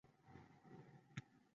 Ko’k toqiga o’rlaydi.